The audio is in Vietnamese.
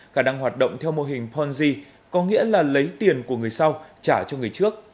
khả năng hoạt động theo mô hình ponzi có nghĩa là lấy tiền của người sau trả cho người trước